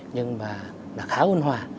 nhưng mà khá ưu hòa